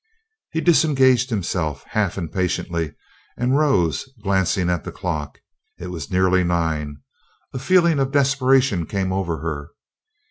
He disengaged himself, half impatiently, and rose, glancing at the clock. It was nearly nine. A feeling of desperation came over her.